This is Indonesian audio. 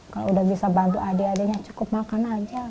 kalau udah bisa bantu adik adiknya cukup makan aja